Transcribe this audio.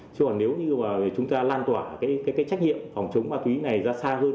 chứ còn nếu như mà chúng ta lan tỏa cái trách nhiệm phòng chống ma túy này ra xa hơn